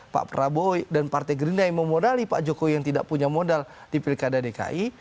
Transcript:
pak prabowo dan partai gerindra yang memodali pak jokowi yang tidak punya modal di pilihan kandang gubernur dki